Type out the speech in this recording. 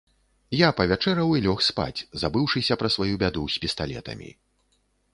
Я павячэраў і лёг спаць, забыўшыся пра сваю бяду з пісталетамі.